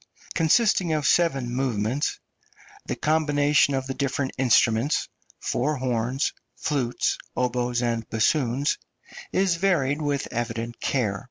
consisting of seven movements, the combination of the different instruments (four horns, flutes, oboes, and bassoons) is varied with evident care.